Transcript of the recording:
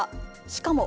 しかも